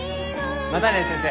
またね先生。